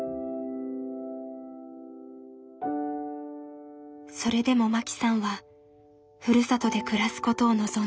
それでもマキさんはふるさとで暮らすことを望んでいました。